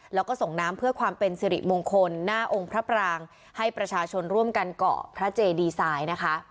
แล้วก็ส่งน้ำเพื่อความเป็นสิริมงคลหน้าองค์พระปรางให้ประชาชนร่วมกันเกาะพระเจดีไซน์นะคะ